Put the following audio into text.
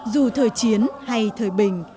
dù thời chiến hay thời bình